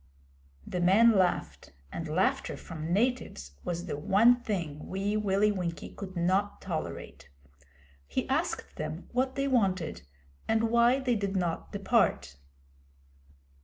The men laughed, and laughter from natives was the one thing Wee Willie Winkie could not tolerate. He asked them what they wanted and why they did not depart.